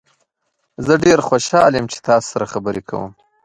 زه ډیر خوشحال یم چې تاسو سره خبرې کوم.